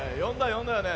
よんだよね？